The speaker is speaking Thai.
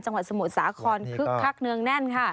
จังหวัดสมุทรสาครคลักเนื้องแน่นค่ะ